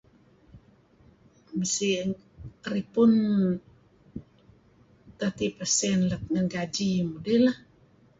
Usin ripun thirty percent let ngen gaji mudih lah